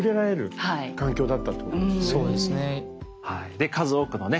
で数多くのね